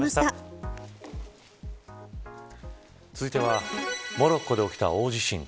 続いては、モロッコで起きた大地震。